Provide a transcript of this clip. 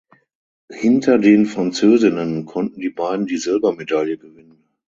Hinter den Französinnen konnten die beiden die Silbermedaille gewinnen.